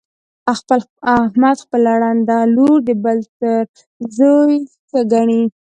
احمد خپله ړنده لور د بل تر زوی ښه ګڼي.